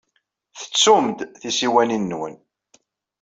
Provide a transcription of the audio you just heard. Tettum-d tisiwanin-nwen.